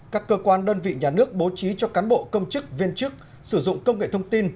các cơ quan đơn vị nhà nước bố trí cho cán bộ công chức viên chức sử dụng công nghệ thông tin